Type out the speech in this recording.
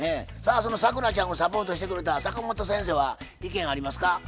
さあその咲楽ちゃんをサポートしてくれた坂本先生は意見ありますか？